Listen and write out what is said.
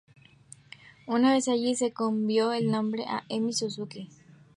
Una vez allí, se cambió el nombre a "Emi Suzuki".